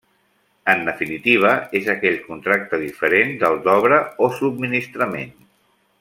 En definitiva, és aquell contracte diferent del d'obra o subministrament.